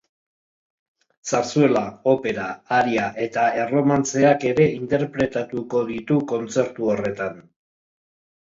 Zarzuela, opera, aria eta erromantzeak ere interpretatuko ditu kontzertu horretan.